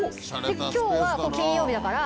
で今日は金曜日だから。